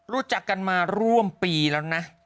รู้จักกันมาร่วมปีแล้วนะ